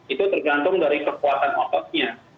itu tergantung dari kekuatan ototnya